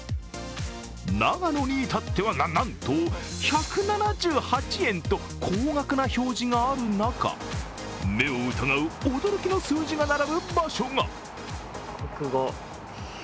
長野に至っては、なななんと、１７８円と高額な表示がある中、目を疑う驚きの数字が並ぶ場所が。